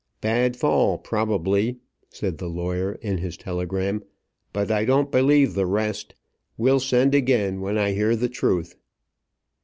"Bad fall probably," said the lawyer in his telegram, "but I don't believe the rest. Will send again when I hear the truth."